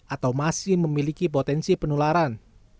atau masih memiliki potensi penularan